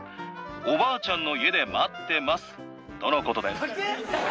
おばあちゃんの家で待ってますとのことです。